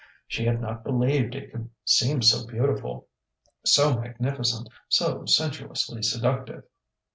She had not believed it could seem so beautiful, so magnificent, so sensuously seductive.